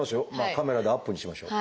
カメラでアップにしましょう。